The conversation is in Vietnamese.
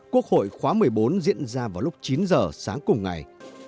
quốc hội khóa một mươi bốn diễn ra vào lúc chín giờ sáng cùng ngày